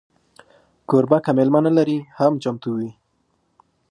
کوربه که میلمه نه لري، هم چمتو وي.